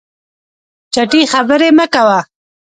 چټي خبري مه کوه !